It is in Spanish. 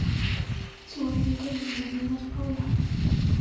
Su variante en femenino es Paula.